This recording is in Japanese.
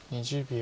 ２０秒。